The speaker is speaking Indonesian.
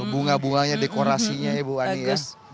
bunga bunganya dekorasinya ibu ani ya